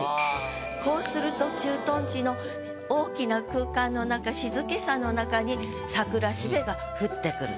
こうすると駐屯地の大きな空間の中静けさの中に桜蘂が降ってくると。